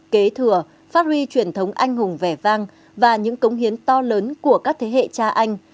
kế thừa phát huy truyền thống anh hùng vẻ vang và những cống hiến to lớn của các thế hệ cha anh